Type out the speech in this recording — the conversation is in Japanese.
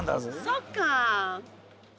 そっか。